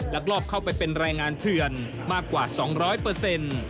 ลอบเข้าไปเป็นแรงงานเถื่อนมากกว่า๒๐๐เปอร์เซ็นต์